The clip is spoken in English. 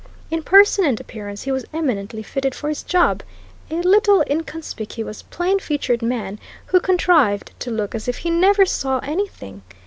In person and appearance he was eminently fitted for his job a little, inconspicuous, plain featured man who contrived to look as if he never saw anything.